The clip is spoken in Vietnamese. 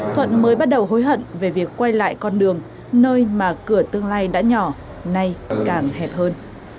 thuận mới bắt đầu hối hận về việc quay lại con đường nơi mà cửa tương lai đã nhỏ nay càng hẹp hơn